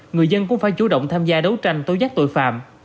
người dân cũng phải chủ động tham gia đấu tranh tối giác tội phạm